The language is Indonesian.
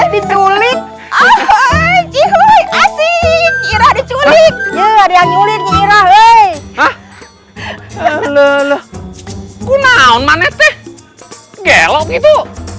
diulit asyik irah diculik ya ada yang ngulit irah weh leluh kunaon maneh teh gelok gitu